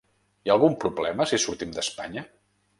Hi ha algun problema si sortim d'Espanya?